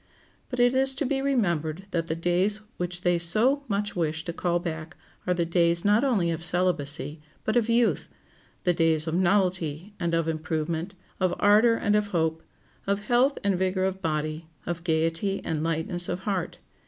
But it is to be remembered that the days which they so much wish to call back are the days not only of celibacy, but of youth—the days of novelty and of improvement, of ardor and of hope, of health and vigor of body, of gayety and lightness of heart.